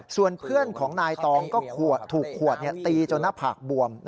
ส่วนเพื่อนของนายตองก็ถูกขวดตีจนหน้าผากบวม